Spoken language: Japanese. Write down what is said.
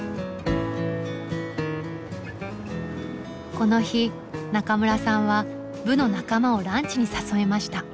この日中村さんは部の仲間をランチに誘いました。